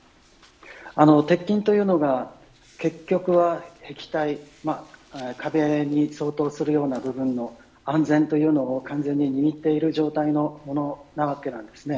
鉄筋というのが結局は壁体壁に相当するような部分の安全というのを完全に握っている状態のものなわけです。